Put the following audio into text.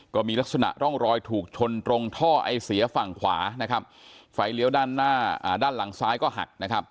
ก็มีลักษณะร่องรอยถูกชนตรงท่อไอเสียฝั่งขวาไฟเลี้ยวด้านหลังซ้ายก็หัก